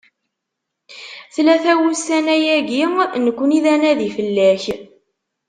Tlata wussan-ayagi, nekni d anadi fell-ak.